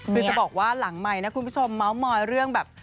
คือจะบอกว่าหลังใหม่นะคุณผู้ชมเมาส์มอยเรื่องแบบ